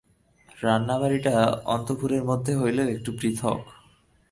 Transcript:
রান্নাবাড়িটা অন্তঃপুরের মধ্যে হইলেও একটু পৃথক।